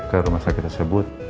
ke rumah sakit tersebut